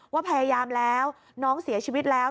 ว่าพยายามแล้วน้องเสียชีวิตแล้ว